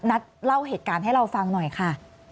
เล่าเหตุการณ์ให้เราฟังหน่อยค่ะ